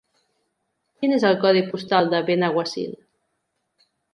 Quin és el codi postal de Benaguasil?